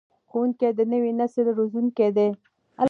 ښوونکي د نوي نسل روزونکي دي.